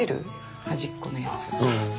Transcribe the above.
端っこのやつを。